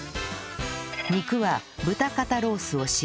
肉は豚肩ロースを使用